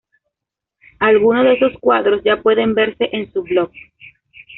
Algunos de esos cuadros ya pueden verse en su blog.